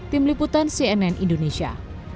tim liputan cnn indonesia